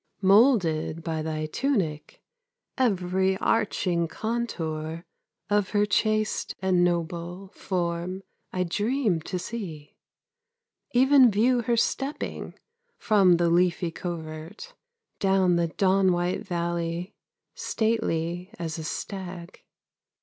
Molded by thy tunic, Every arching contour Of her chaste and noble Form I dream to see; Even view her stepping From the leafy covert Down the dawn white valley, Stately as a stag.